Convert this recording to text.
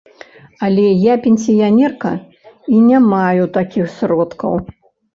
Але я пенсіянерка і не маю такіх сродкаў.